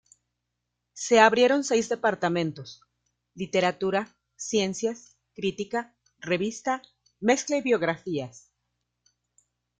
Se abrieron seis departamentos: literatura, ciencias, crítica, revista, mezcla y biografías.